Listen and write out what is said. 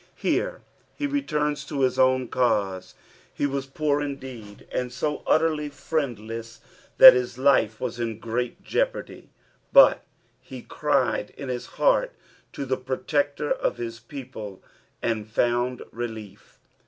Here he returns to his own case. He was poor indeed, and so utterly friendless that his life wus in great jeopardy ; but he cried in his heart to the protector of his people and found relief.